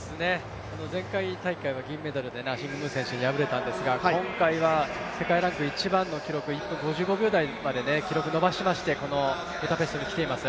前回大会は銀メダルでムー選手に敗れたんですが今回は世界ランク１番の記録１分５５秒台まで記録伸ばしましてこのブダペストに来ています。